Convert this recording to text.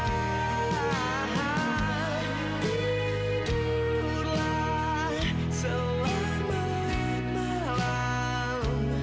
tidurlah selamat malam